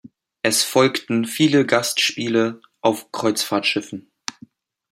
Es folgten viele Gastspiele auf Kreuzfahrtschiffen.